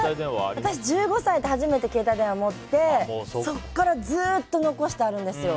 私、１５歳で初めて携帯電話持ってそこからずっと残してあるんですよ。